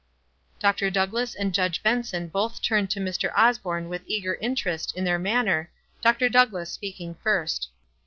Dr. Douglass and Judge Benson both turned to Mr. Osborne with eager interest in their man ner, Dr. Douglass speaking first.